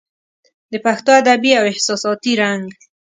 د پښتو ادبي او احساساتي رنګ